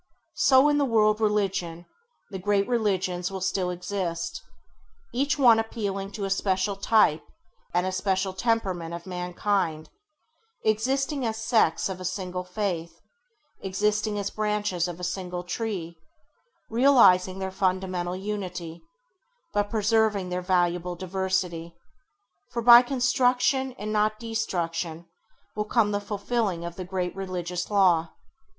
So in the World Religion, the great religions will still exist, each one appealing to a special type and a a special temperament of mankind, existing as sects of a single Faith, existing as branches of a single tree, realizing their fundamental unity, but preserving their valuable diversity; for by construction and not by destruction will come the fulfilling of the great religious law.